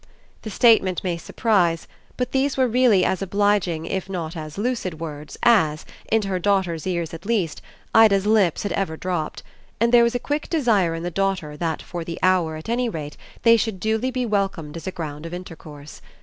The statement may surprise, but these were really as obliging if not as lucid words as, into her daughter's ears at least, Ida's lips had ever dropped; and there was a quick desire in the daughter that for the hour at any rate they should duly be welcomed as a ground of intercourse.